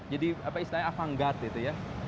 jadi apa istilahnya avant garde gitu ya